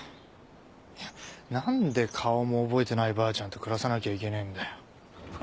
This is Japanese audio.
いやなんで顔も覚えてないばあちゃんと暮らさなきゃいけねえんだよ。